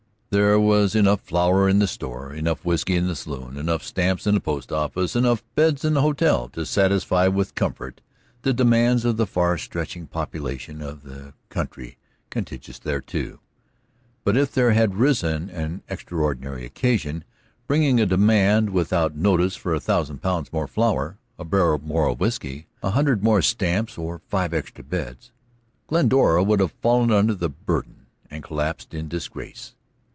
There was enough flour in the store, enough whisky in the saloon; enough stamps in the post office, enough beds in the hotel, to satisfy with comfort the demands of the far stretching population of the country contiguous thereto. But if there had risen an extraordinary occasion bringing a demand without notice for a thousand pounds more of flour, a barrel more of whisky, a hundred more stamps or five extra beds, Glendora would have fallen under the burden and collapsed in disgrace.